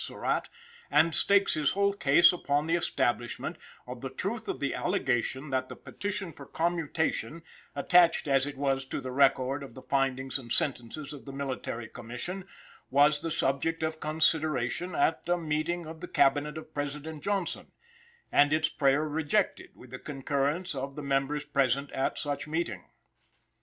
Surratt, and stakes his whole case upon the establishment of the truth of the allegation that the petition for commutation, attached as it was to the record of the findings and sentences of the Military Commission, was the subject of consideration at a meeting of the Cabinet of President Johnson, and its prayer rejected with the concurrence of the members present at such meeting.